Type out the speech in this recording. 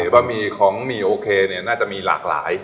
บะหมี่ของหมี่โอเคน่าจะมีหลากหลาย